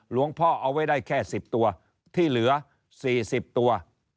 หลวงพ่อเอาไว้ได้แค่๑๐ตัว